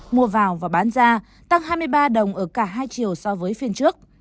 mua vào và bán ra tăng hai mươi ba đồng ở cả hai chiều so với phiên trước